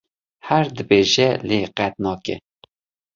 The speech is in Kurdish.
Her dibêje lê qet nake.